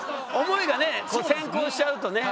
思いがね先行しちゃうとね。